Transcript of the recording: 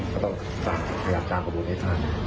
ก็ต้องทะยาบผ่านใบของวงในทางนะครับ